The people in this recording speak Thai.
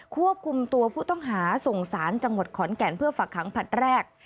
ควบคุมตัวผู้ต้องหาส่งสารจังหวัดขอนแก่นเพื่อฝักขังผลัดแรก